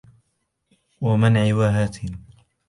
وَمَنْعٍ وَهَاتِ